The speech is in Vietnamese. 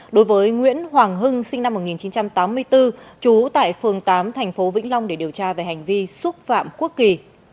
đối với nguyễn hoàng hưng sinh năm một nghìn chín trăm tám mươi bốn trú tại phường tám tp vĩnh long để điều tra về hành vi xúc phạm quốc kỳ